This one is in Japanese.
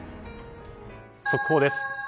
速報です。